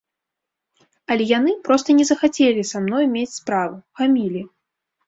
Але яны проста не захацелі са мной мець справу, хамілі.